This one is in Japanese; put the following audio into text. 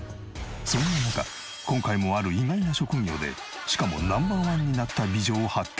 そんな中今回もある意外な職業でしかもＮｏ．１になった美女を発見。